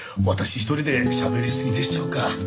私一人でしゃべりすぎでしょうか。